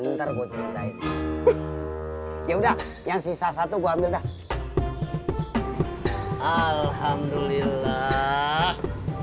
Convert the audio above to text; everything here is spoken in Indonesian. sih ntarot nah ntar gue ceritain ya udah yang sisa satu gua ambil dah alhamdulillah